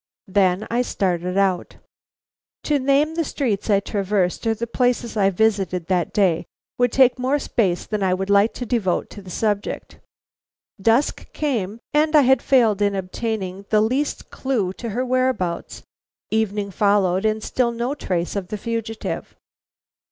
Then I started out. To name the streets I traversed or the places I visited that day, would take more space than I would like to devote to the subject. Dusk came, and I had failed in obtaining the least clue to her whereabouts; evening followed, and still no trace of the fugitive.